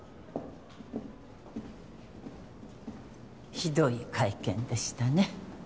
・ひどい会見でしたね。